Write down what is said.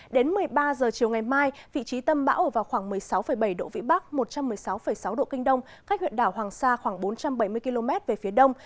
đến một mươi ba h chiều ngày mai vị trí tâm bão ở vào khoảng một mươi sáu bảy độ vĩ bắc một trăm một mươi sáu sáu độ kinh đông cách huyện đảo hoàng sa khoảng bốn trăm bảy mươi km về phía đông